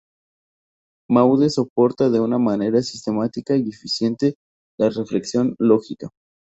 Maude soporta de una manera sistemática y eficiente la reflexión lógica.